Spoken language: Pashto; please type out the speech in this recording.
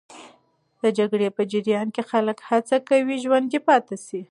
د جګړې په جریان کې خلک هڅه کوي ژوندي پاتې سي.